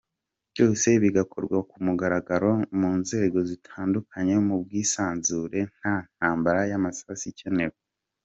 Byose bigakorwa ku mugaragaro mu nzego zitandukanye mu bwisanzure, nta ntambara y’amasasu ikenewe.